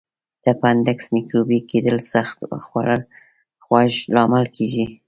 د اپنډکس میکروبي کېدل سخت خوږ لامل کېږي.